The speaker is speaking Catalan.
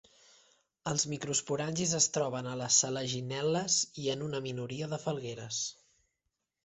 Els microsporangis es troben a les selaginel·les i en una minoria de falgueres.